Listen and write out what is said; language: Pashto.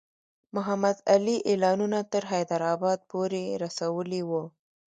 محمدعلي اعلانونه تر حیدرآباد پوري رسولي وو.